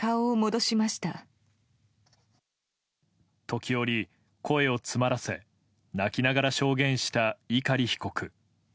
時折、声を詰まらせ泣きながら証言した碇被告。